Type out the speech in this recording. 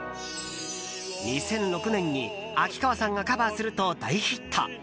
２００６年に秋川さんがカバーすると大ヒット。